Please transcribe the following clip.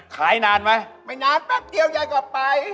ขายนานไหมไม่นานแป๊บเดียวยายก็ไป